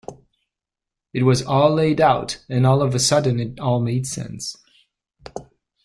It was all laid out and all of a sudden it all made sense.